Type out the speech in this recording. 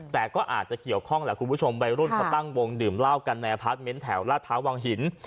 แต่ก็อาจจะเกี่ยวข้องแหละคุณผู้ชมวัยรุ่นเขาตั้งวงดื่มเหล้ากันในอพาร์ทเมนต์แถวลาดพร้าววังหิน